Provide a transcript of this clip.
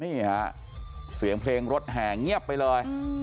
นี่ฮะเสียงเพลงรถแห่เงียบไปเลย